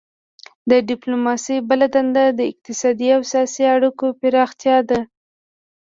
د ډیپلوماسي بله دنده د اقتصادي او سیاسي اړیکو پراختیا ده